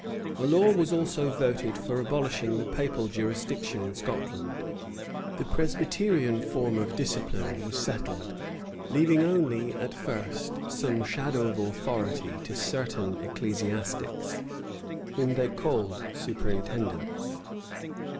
A law was also voted for abolishing the papal jurisdiction in Scotland: the Presbyterian form of discipline was settled, leaving only at first some shadow of authority to certain ecclesiastics, whom they called superintendents.